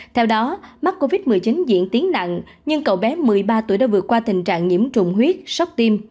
theo đó mắc covid một mươi chín diễn tiến nặng nhưng cậu bé một mươi ba tuổi đã vượt qua tình trạng nhiễm trùng huyết sốc tim